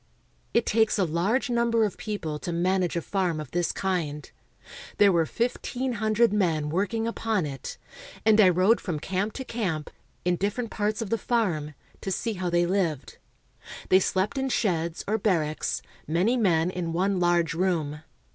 It takes a large number of people to manage a farm of this kind. There were fifteen hundred men working upon it, and I rode from camp to camp, in different parts of the farm, to see how they lived. They slept in sheds, or barracks, many men in one large room.